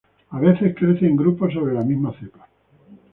A veces crece en grupos sobre la misma cepa.